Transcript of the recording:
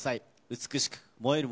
美しく燃える森。